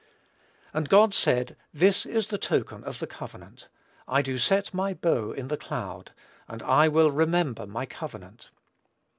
"And God said, This is the token of the covenant ... I do set my bow in the cloud ... and I will remember my covenant."